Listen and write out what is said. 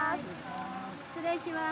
失礼します。